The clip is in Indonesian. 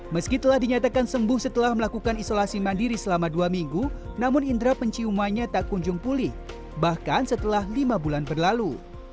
meski telah dinyatakan sembuh setelah melakukan isolasi mandiri selama dua minggu namun indera penciumannya tak kunjung pulih bahkan setelah lima bulan berlalu